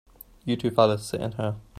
You two fellas sit in here.